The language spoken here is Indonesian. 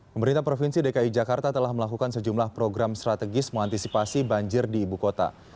pemerintah provinsi dki jakarta telah melakukan sejumlah program strategis mengantisipasi banjir di ibu kota